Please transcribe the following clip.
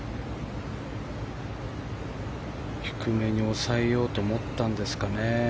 低めに抑えようと思ったんですかね。